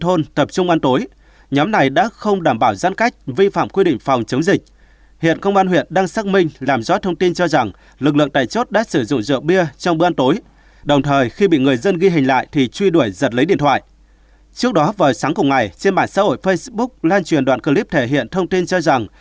ở sáng cùng ngày trên bản xã hội facebook lan truyền đoạn clip thể hiện thông tin cho rằng